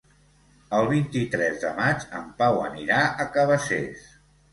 El vint-i-tres de maig en Pau anirà a Cabacés.